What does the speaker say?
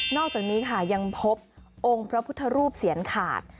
อกจากนี้ค่ะยังพบองค์พระพุทธรูปเสียนขาด